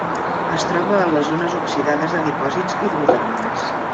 Es troba a les zones oxidades de dipòsits hidrotermals.